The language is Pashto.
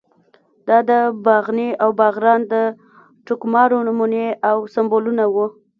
دا د باغني او باغران د ټوکمارو نمونې او سمبولونه وو.